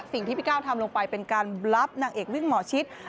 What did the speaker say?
สิ่งที่พี่ก้าวทำลงไปเป็นการบรับนางเอกวิ่งหมอชิด